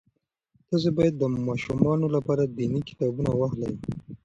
تاسې باید د ماشومانو لپاره دیني کتابونه واخلئ.